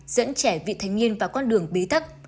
dẫn trẻ vị thành niên vào con đường bí thắc